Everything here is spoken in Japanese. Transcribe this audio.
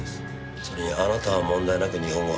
それにあなたは問題なく日本語を話している。